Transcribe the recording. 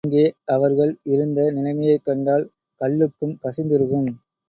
அங்கே அவர்கள் இருந்த நிலைமையைக் கண்டால், கல்லும் கசிந்துருகும்.